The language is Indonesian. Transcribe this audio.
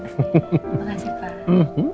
terima kasih pak